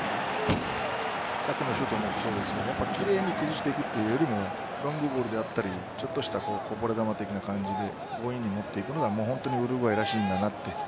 さっきのシュートもそうですが奇麗に崩していくというよりロングボールであったりちょっとしたこぼれ球的な感じで強引に持っていくのがウルグアイらしいなと。